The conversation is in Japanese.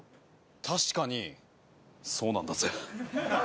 確かにそうなんだぜ。